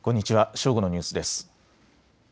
正午のニュースです。